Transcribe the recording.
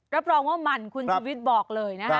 รับรองว่ามันคุณชุวิตบอกเลยนะคะ